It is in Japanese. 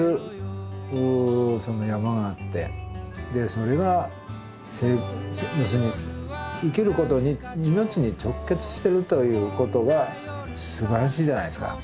それが要するに生きることに命に直結してるということがすばらしいじゃないですか。